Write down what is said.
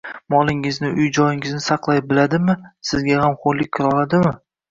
molingizni, uy-joyingizni saqlay biladimi, sizga g‘amxo‘rlik qila oladimi